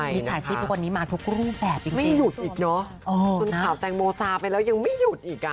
มิจฉาชีพทุกวันนี้มาทุกรูปแบบอีกไม่หยุดอีกเนอะจนข่าวแตงโมซาไปแล้วยังไม่หยุดอีกอ่ะ